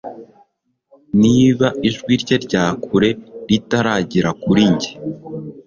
Niba ijwi rye rya kure ritaragera kuri njye